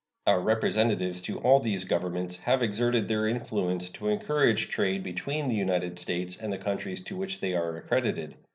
Our representatives to all these Governments have exerted their influence to encourage trade between the United States and the countries to which they are accredited.